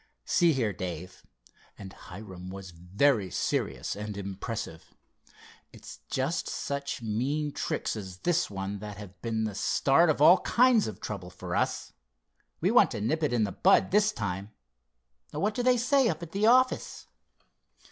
See here, Dave," and Hiram was very serious and impressive, "it's just such mean tricks as this one that have been the start of all kinds of trouble for us. We want to nip it in the bud this time. What do they say up at the office?"